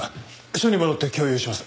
署に戻って共有します。